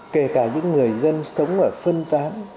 kể cả những người dân sống ở phân tán